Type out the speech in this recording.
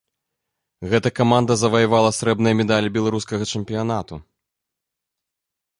Гэта каманда заваявала срэбраныя медалі беларускага чэмпіянату.